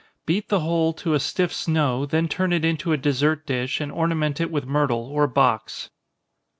Beat the whole to a stiff snow, then turn it into a dessert dish, and ornament it with myrtle or box.